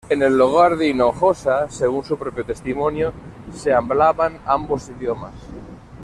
En el hogar de Hinojosa, según su propio testimonio, se hablaban ambos idiomas.